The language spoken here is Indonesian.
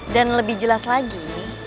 dan lebih jelas lagi